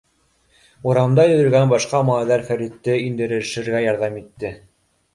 Урамда йөрөгән башҡа малайҙар Фәритте индерешергә ярҙам итте.